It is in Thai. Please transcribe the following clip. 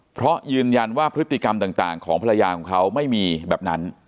เพราะยืนยันว่าพฤติกรรมต่างของภรรยาของเขาไม่มีแบบนั้น